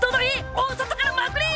大外からまくれ！